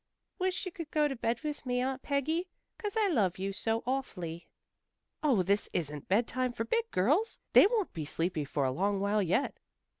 "Wish you'd go to bed with me, Aunt Peggy. 'Cause I love you so awfully." "Oh, this isn't bedtime for big girls. They won't be sleepy for a long while yet."